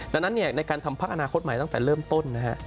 ดังนั้นในการทำพักอนาคตใหม่ตั้งแต่เริ่มต้นนะฮะ